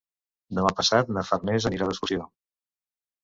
Demà passat na Farners anirà d'excursió.